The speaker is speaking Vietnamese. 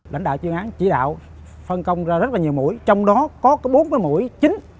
lãnh đạo chuyên án chỉ đạo phân công ra rất nhiều mũi trong đó có bốn mũi chính